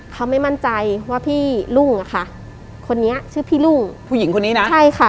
เขาไม่มั่นใจว่าพี่รุ่งอะค่ะคนนี้ชื่อพี่รุ่งผู้หญิงคนนี้นะใช่ค่ะ